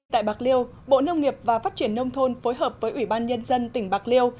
tại bạc liêu bộ nông nghiệp và phát triển nông thôn phối hợp với ủy ban nhân dân tỉnh bạc liêu